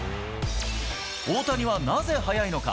大谷はなぜ速いのか。